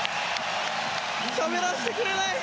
しゃべらせてくれない。